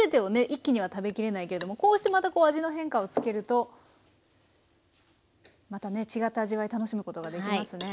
一気には食べきれないけれどもこうしてまたこう味の変化をつけるとまたね違った味わい楽しむことができますね。